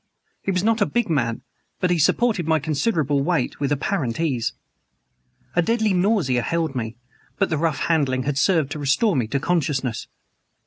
He was not a big man, but he supported my considerable weight with apparent ease. A deadly nausea held me, but the rough handling had served to restore me to consciousness.